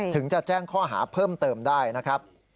ถึงจะแจ้งข้อหาเพิ่มเติมได้นะครับ